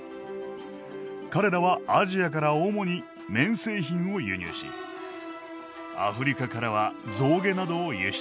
彼らはアジアから主に綿製品を輸入しアフリカからは象牙などを輸出。